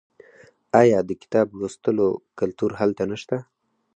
آیا د کتاب لوستلو کلتور هلته نشته؟